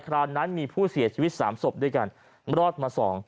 ราวนั้นมีผู้เสียชีวิต๓ศพด้วยกันรอดมา๒